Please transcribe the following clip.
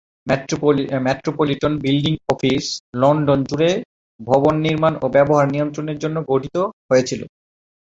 Metropolitan building office London জুড়ে ভবন নির্মাণ ও ব্যবহার নিয়ন্ত্রণের জন্য গঠিত হয়েছিল।